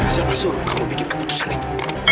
siapa suruh kamu bikin keputusan itu